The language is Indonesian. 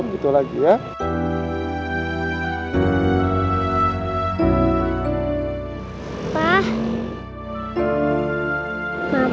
begitu lagi ya